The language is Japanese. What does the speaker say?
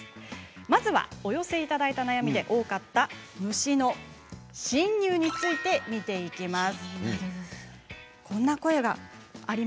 まずはお寄せいただいたお悩みで多かった虫の侵入についてです。